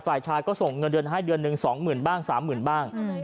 ฝ่ายชายก็ส่งเงินเดือนให้เดือนหนึ่ง๒๐๐๐บ้าง๓๐๐๐บ้าง